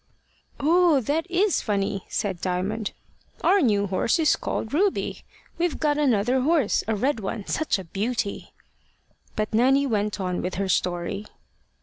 "Oh, that is funny!" said Diamond. "Our new horse is called Ruby. We've got another horse a red one such a beauty!" But Nanny went on with her story.